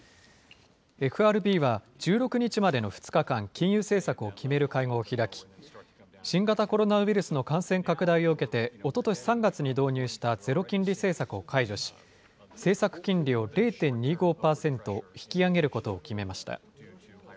ＦＲＢは１６日までの２日間金融政策を決める会合を開き新型コロナウイルスの感染拡大を受けて、おととし３月に導入したゼロ金利政策を解除し政策金利を０．２５％引き上げることを決めました。